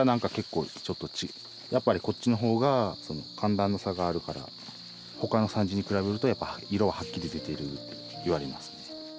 やっぱりこっちの方が寒暖の差があるからほかの産地に比べるとやっぱり色ははっきり出てるって言われますね。